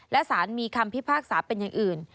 และสารมีคำพิพากษาเป็นอย่างอื่น